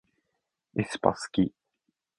aespa すき